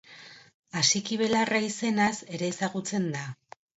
Asiki-belarra izenaz ere ezagutzen da.